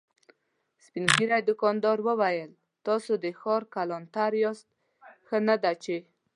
سپين ږيری دوکاندار وويل: تاسو د ښار کلانتر ياست، ښه نه ده چې…